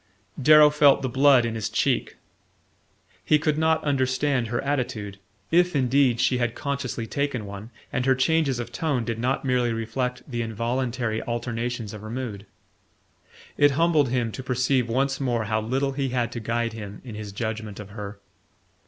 Darrow felt the blood in his cheek. He could not understand her attitude if indeed she had consciously taken one, and her changes of tone did not merely reflect the involuntary alternations of her mood. It humbled him to perceive once more how little he had to guide him in his judgment of her.